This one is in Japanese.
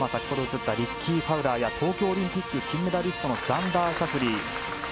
リッキー・ファウラーや東京オリンピック金メダリストのザンダー・シャフリー。